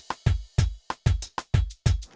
suka aja engga